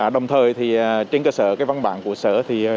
đồng thời trên cơ sở văn bản của sở